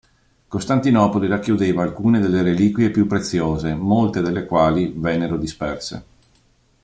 Costantinopoli racchiudeva alcune delle reliquie più preziose, molte delle quali vennero disperse.